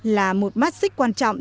là một mát xích quan trọng